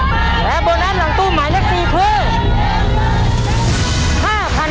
มาดูต่อเลยว่าโบนัสหลังตู้หมายเลข๒เท่าไร